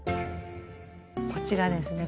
こちらですね